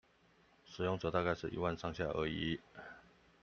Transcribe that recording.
使用者大概是一萬上下而已